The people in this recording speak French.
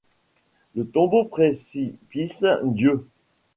Le tombeau, précipice ; Dieu.